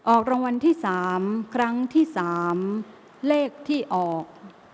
ออกรางวัลที่๓ครั้งที่๓เลขที่ออก